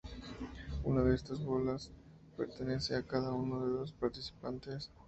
Una de estas bolas pertenece a cada uno de los participantes.